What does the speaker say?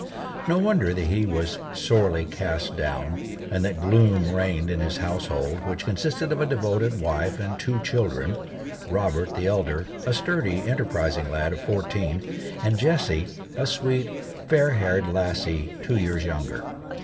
No wonder that he was sorely cast down, and that gloom reigned in his household, which consisted of a devoted wife and two children—Robert, the elder, a sturdy, enterprising lad of fourteen, and Jessie, a sweet, fair haired lassie two years younger.